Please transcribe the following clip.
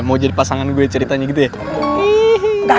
mau jadi pasangan gue ceritanya gitu ya